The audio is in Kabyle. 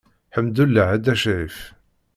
Ḥemdullah a Dda Crif.